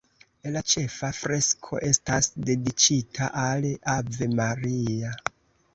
La ĉefa fresko estas dediĉita al Ave Maria.